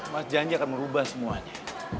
mas janji akan merubah semuanya